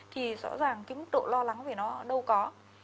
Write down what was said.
thì rõ ràng cái mức độ lo lắng về nó đâu có